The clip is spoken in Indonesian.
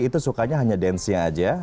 itu sukanya hanya dance nya saja